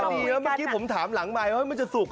พี่เบิร์ตตอนแรกว่าคุยกันน่ะผมถามหลังไบมันจะสุกเหรอ